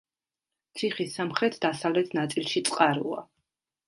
ციხის სამხრეთ-დასავლეთ ნაწილში წყაროა.